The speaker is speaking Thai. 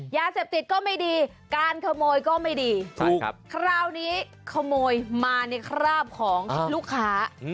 ยาเสพติดก็ไม่ดีการขโมยก็ไม่ดีถูกครับคราวนี้ขโมยมาในคราบของลูกค้า